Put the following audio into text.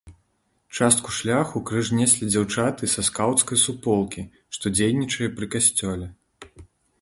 Частку шляху крыж неслі дзяўчаты са скаўцкай суполкі, што дзейнічае пры касцёле.